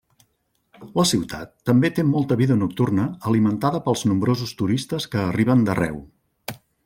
La ciutat també té molta vida nocturna alimentada pels nombrosos turistes que arriben d'arreu.